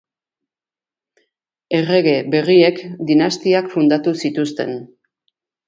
Errege berriek dinastiak fundatu zituzten.